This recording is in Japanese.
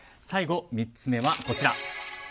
最後、３つ目はこちら。